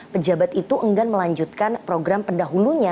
pejabat itu enggan melanjutkan program pendahulunya